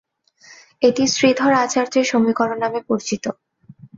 এটি শ্রীধর আচার্যের সমীকরণ নামে পরিচিত।